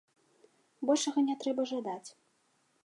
Большага не трэба жадаць.